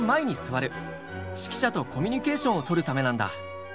指揮者とコミュニケーションをとるためなんだ。